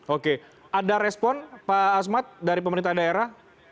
oke ada respon pak asmat dari pemerintah daerah